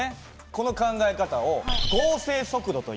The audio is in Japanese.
この考え方を合成速度といいます。